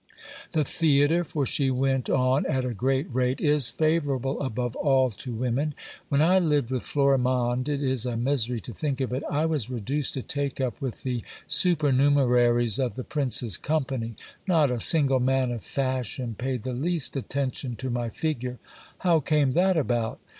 The theatre (for she went on at a great rate) is favourable above all to women. When I lived with Florimonde, it is a misery to think of it, I was reduced to take up with the supernumeraries of the prince's company ; not a single man of fashion paid the least attention to my figure. How came that about?